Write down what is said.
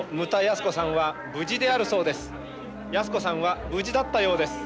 泰子さんは無事だったようです。